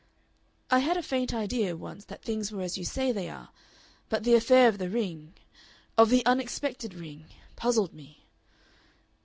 "I had a faint idea once that things were as you say they are, but the affair of the ring of the unexpected ring puzzled me.